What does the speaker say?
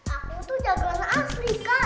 aku tuh jagoan asli kan